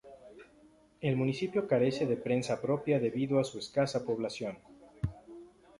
El municipio carece de prensa propia debido a su escasa población.